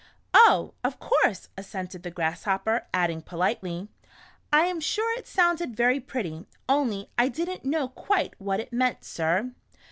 " Oh, of course," assented the Grasshopper, adding politely, " I am sure it sounded very pretty, only I did n't know quite what it meant. Sir."